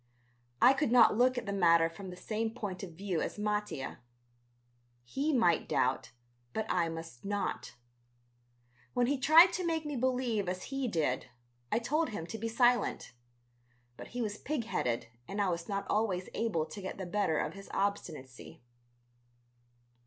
I could not look at the matter from the same point of view as Mattia. He might doubt ... but I must not. When he tried to make me believe as he did, I told him to be silent. But he was pig headed and I was not always able to get the better of his obstinacy.